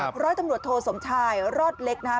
เพราะตำรวจโทสมชายรอดเล็กนะฮะ